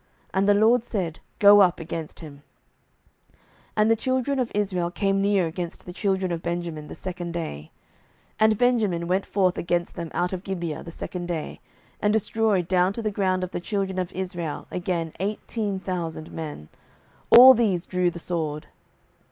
And the LORD said, Go up against him.) 07:020:024 And the children of Israel came near against the children of Benjamin the second day. 07:020:025 And Benjamin went forth against them out of Gibeah the second day, and destroyed down to the ground of the children of Israel again eighteen thousand men; all these drew the sword.